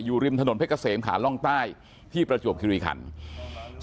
ริมถนนเพชรเกษมขาล่องใต้ที่ประจวบคิริคัน